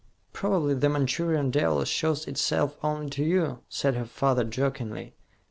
"Probably the Manchurian devil shows itself only to you," said her father jokingly.